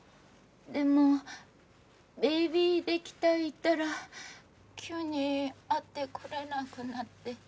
でもベイビーできた言ったら急に会ってくれなくなって。